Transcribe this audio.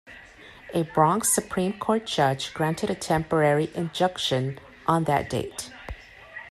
A Bronx Supreme Court judge granted a temporary injunction on that date.